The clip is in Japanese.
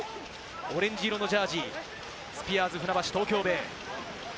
オレンジ色のジャージー、スピアーズ船橋・東京ベイ。